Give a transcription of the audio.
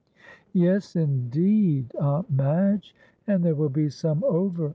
"Yes, indeed, Aunt Madge, and there will be some over.